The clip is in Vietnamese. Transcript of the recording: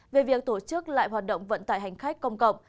về việc tổ chức lại hoạt động vận tải hành khách công cộng